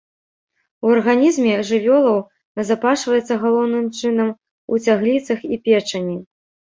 У арганізме жывёлаў назапашваецца галоўным чынам у цягліцах і печані.